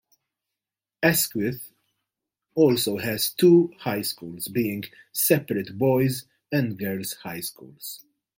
Asquith also has two high schools being separate Boys and Girls High Schools.